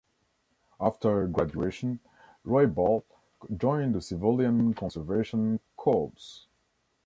After graduation, Roybal joined the Civilian Conservation Corps.